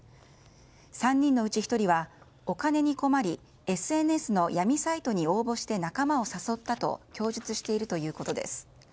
３人のうち１人は、お金に困りＳＮＳの闇サイトに応募して仲間を誘ったと供述しているということです。